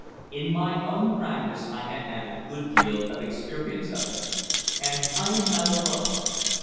In my own practice I had had a good deal of experience of it. And I am not alone.